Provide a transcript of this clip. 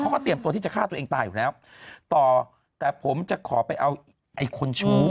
เขาก็เตรียมตัวที่จะฆ่าตัวเองตายอยู่แล้วต่อแต่ผมจะขอไปเอาไอ้คนชู้